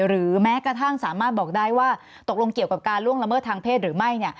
แม้กระทั่งสามารถบอกได้ว่าตกลงเกี่ยวกับการล่วงละเมิดทางเพศหรือไม่